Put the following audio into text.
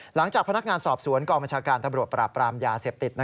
หลังจากพนักงานสอบสวนกรณ์วิชาการธรรมดำราบปราบยาเสพติด